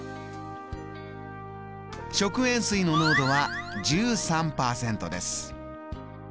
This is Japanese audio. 食塩水の濃度は１３％です。